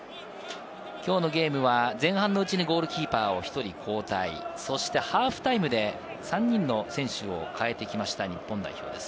きょうのゲームは前半のうちにゴールキーパーを１人交代、そしてハーフタイムで３人の選手を代えてきました、日本代表です。